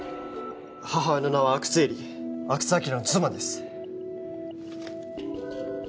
母親の名は阿久津絵里阿久津晃の妻です